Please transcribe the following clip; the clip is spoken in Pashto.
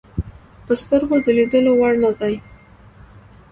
په سترګو د لیدلو وړ نه دي.